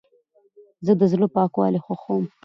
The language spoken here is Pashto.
زه د زړه پاکوالی خوښوم.